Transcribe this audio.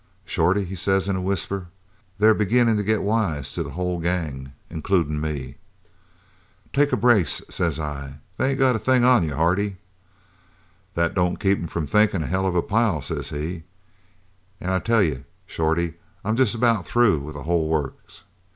"'Shorty,' he says in a whisper, 'they're beginnin' to get wise to the whole gang includin' me.' "'Take a brace,' says I. 'They ain't got a thing on you, Hardy.' "'That don't keep 'em from thinkin' a hell of a pile,' says he, 'an' I tell you, Shorty, I'm jest about through with the whole works.